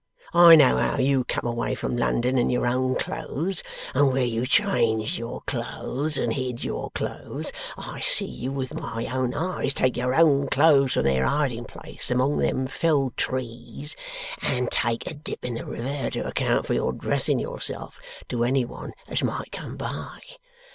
I know how you come away from London in your own clothes, and where you changed your clothes, and hid your clothes. I see you with my own eyes take your own clothes from their hiding place among them felled trees, and take a dip in the river to account for your dressing yourself, to any one as might come by.